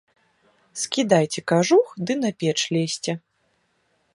Скідайце кажух ды на печ лезьце.